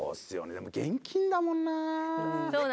でも現金だもんな。